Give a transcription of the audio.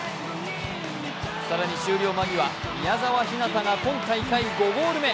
更に、終了間際、宮澤ひなたが今大会５ゴール目。